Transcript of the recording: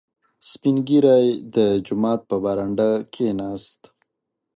• سپین ږیری د جومات په برنډه کښېناست.